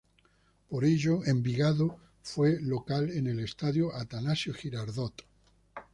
Por ello, Envigado fue local en el Estadio Atanasio Girardot.